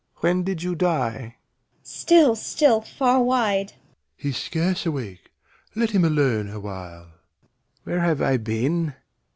When did you die? Cor. Still, still, far wide! Doct. He's scarce awake. Let him alone awhile. Lear. Where have I been?